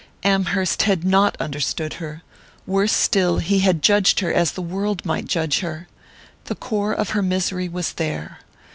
Amherst had not understood her worse still, he had judged her as the world might judge her! The core of her misery was there.